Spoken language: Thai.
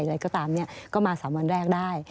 หรืออะไรก็ตามนี้ก็มาสามวันแรกได้